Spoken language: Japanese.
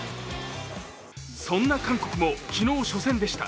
そんな韓国も昨日、初戦でした。